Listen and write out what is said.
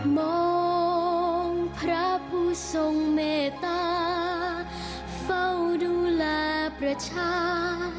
มองพระผู้ทรงเมตตาเฝ้าดูแลประชา